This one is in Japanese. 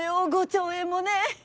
５兆円もね。